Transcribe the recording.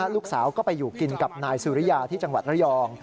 ลูกสาวก็ไปอยู่กินกับนายสุริยาที่จังหวัดระยอง